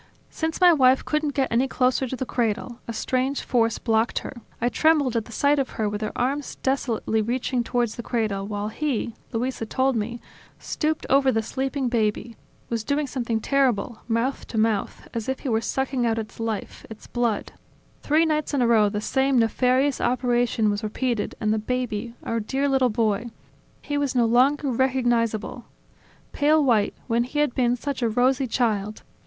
Since my wife couldn't get any closer to the cradle; a strange force blocked her ... I trembled at the sight of her with her arms desolately reaching towards the cradle, while he Luisa told me stooped over the sleeping baby, was doing something terrible, mouth to mouth, as if he were sucking out its life, its blood ... Three nights in a row the same nefarious operation was repeated and the baby, our dear little boy ... he was no longer recognizable. Pale white, when he had been such a rosy child!